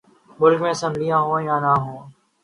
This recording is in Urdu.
ملک میں اسمبلیاں ہوں یا نہ ہوں۔